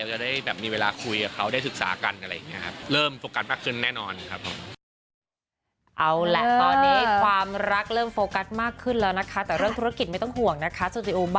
จะได้แบบมีเวลาคุยกับเขาได้ศึกษากันอะไรอย่างนี้ครับผม